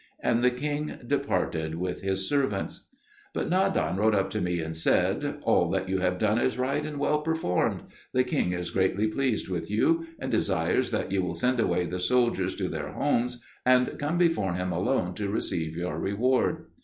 And the king departed with his servants. But Nadan rode up to me and said, "All that you have done is right, and well performed; the king is greatly pleased with you, and desires that you will send away the soldiers to their homes and come before him alone to receive your reward."